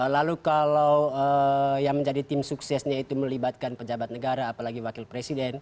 lalu kalau yang menjadi tim suksesnya itu melibatkan pejabat negara apalagi wakil presiden